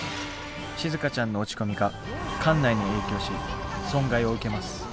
しずかちゃんの落ち込みが艦内に影響し損害を受けます。